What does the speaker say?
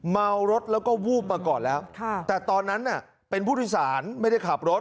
เมารถแล้วก็วูบมาก่อนแล้วแต่ตอนนั้นเป็นผู้โดยสารไม่ได้ขับรถ